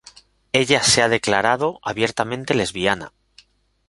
Ella se ha declarado abiertamente lesbiana.